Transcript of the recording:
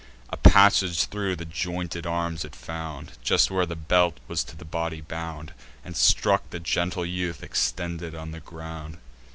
A passage thro' the jointed arms it found, Just where the belt was to the body bound, And struck the gentle youth extended on the ground.